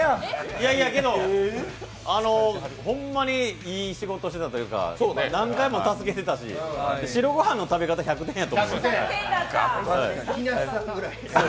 ほんまにいい仕事してたというか、何回も助けてたし、白ごはんの食べ方１００点やと思います。